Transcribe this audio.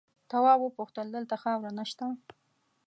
تواب وپوښتل دلته خاوره نه شته؟